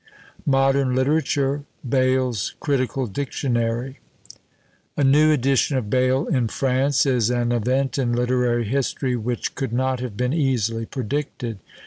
MODERN LITERATURE BAYLE'S CRITICAL DICTIONARY A new edition of Bayle in France is an event in literary history which could not have been easily predicted.